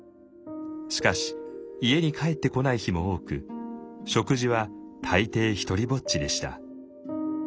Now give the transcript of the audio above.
しかし家に帰ってこない日も多く食事は大抵独りぼっちでした。